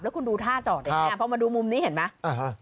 แล้วคุณดูท่าจอดอย่างนี้พอมาดูมุมนี้เห็นไหม